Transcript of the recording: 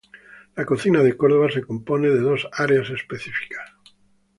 La cocina de Córdoba se compone de dos áreas específicas.